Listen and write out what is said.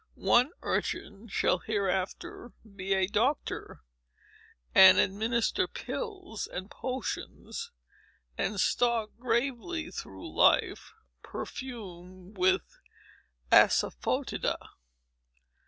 One urchin shall hereafter be a doctor, and administer pills and potions, and stalk gravely through life, perfumed with assaf[oe]tida.